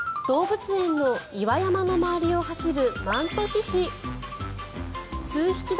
動物園の岩山の周りを走るマントヒヒ。